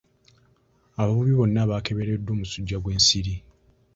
Abavubi bonna baakebereddwa omusujja gw'ensiri.